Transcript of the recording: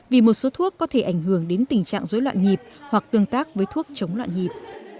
vì một số thuốc có thể ảnh hưởng đến tình trạng dối loạn nhịp hoặc tương tác với thuốc chống loạn nhịp